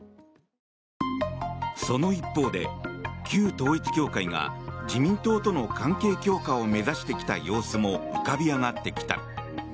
その一方で、旧統一教会が自民党との関係強化を目指してきた様子も浮かび上がってきた。